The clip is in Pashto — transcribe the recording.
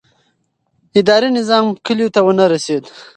اداري نظام کلیو ته ونه رسېد.